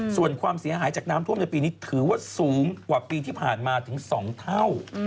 ส่วนความเสียหายจากน้ำท่วมในปีนี้ถือว่าสูงกว่าปีที่ผ่านมาถึง๒เท่า